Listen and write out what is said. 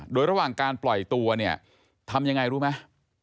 โดยระหว่างการปล่อยตัวเนี่ยทำยังไงรู้ไหม